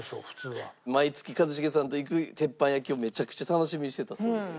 毎月一茂さんと行く鉄板焼きをめちゃくちゃ楽しみにしてたそうです。